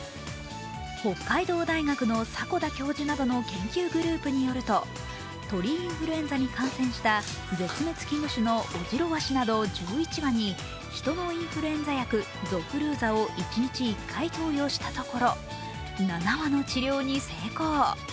北海道大学の迫田教授などの研究グループなどによると鳥インフルエンザに感染した絶滅危惧種のオジロワシなど１１羽に人のインフルエンザ薬・ゾフルーザを１日１回投与したところ７羽の治療に成功。